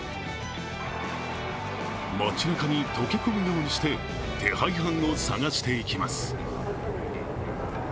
街なかに溶け込むようにして手配犯を捜していきます。